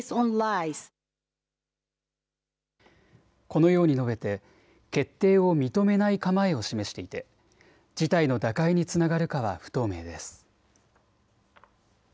このように述べて決定を認めない構えを示していて事態の打開につながるかは不透明です。